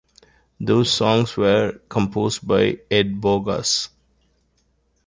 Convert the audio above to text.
Those songs were composed by Ed Bogas.